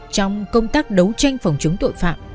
trong công tác đấu tranh phòng chứng tội phạm